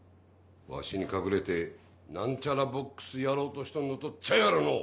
わしに隠れて何ちゃらボックスやろうとしとんのと違うやろのう！